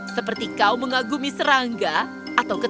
seperti kau mengagumi serangga atau ketat